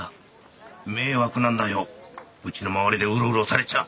迷惑なんだようちの周りでうろうろされちゃ。